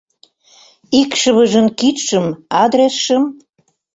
Икшывыжын кидшым, адресшым?